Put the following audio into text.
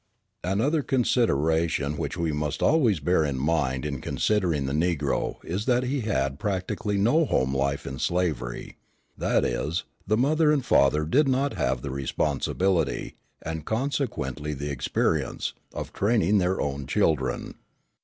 Another consideration which we must always bear in mind in considering the Negro is that he had practically no home life in slavery; that is, the mother and father did not have the responsibility, and consequently the experience, of training their own children.